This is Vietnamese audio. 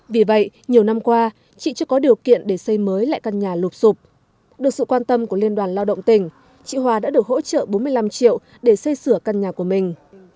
vì vậy nhiều năm qua chị chưa có điều kiện để xây mới lại căn nhà lụp sụp được sự quan tâm của liên đoàn lao động tỉnh chị hòa đã được hỗ trợ bốn mươi năm triệu để xây sửa căn nhà của mình